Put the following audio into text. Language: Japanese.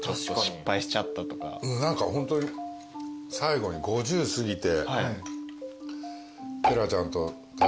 何かホントに最後５０過ぎて。